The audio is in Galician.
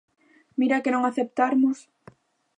¡Mira que non aceptarmos!